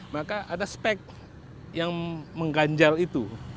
maka ada spek yang mengganjal itu